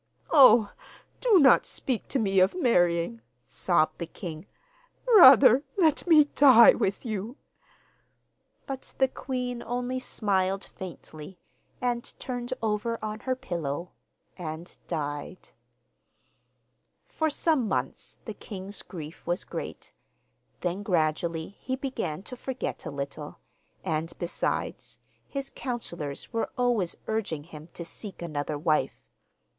'Oh, do not speak to me of marrying,' sobbed the king; 'rather let me die with you!' But the queen only smiled faintly, and turned over on her pillow and died. For some months the king's grief was great; then gradually he began to forget a little, and, besides, his counsellors were always urging him to seek another wife.